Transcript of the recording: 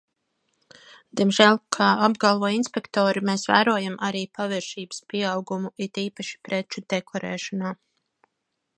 Diemžēl, kā apgalvo inspektori, mēs vērojam arī paviršības pieaugumu it īpaši preču deklarēšanā.